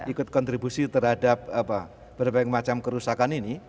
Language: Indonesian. ikut kontribusi terhadap berbagai macam kerusakan ini